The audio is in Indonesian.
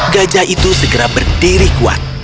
gajah itu segera berdiri kuat